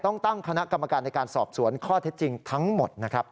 ต้องตั้งคณะกรรมการในการสอบสวนข้อเท็จจริงทั้งหมดนะครับ